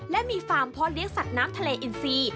และมีฟาร์มพ่อเลี้ยสัตว์น้ำทะเลอินซี